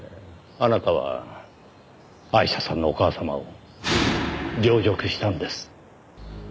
あなたはアイシャさんのお母様を陵辱したんです。